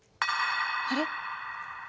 あれ？